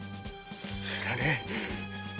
知らねえ！